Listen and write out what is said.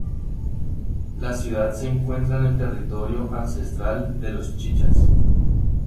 La ciudad se encuentra en el territorio ancestral de los chichas.